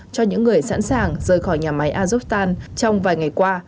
cho những người sẵn sàng rời khỏi nhà máy azokh trong vài ngày qua